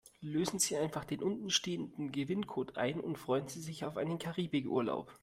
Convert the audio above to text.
Lösen Sie einfach den unten stehenden Gewinncode ein und freuen Sie sich auf einen Karibikurlaub.